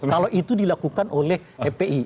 kalau itu dilakukan oleh fpi